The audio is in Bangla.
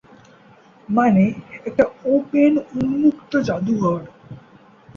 মানে একটা ওপেন উন্মুক্ত জাদুঘর’।